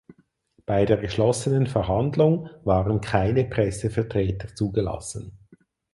Bei der geschlossenen Verhandlung waren keine Pressevertreter zugelassen.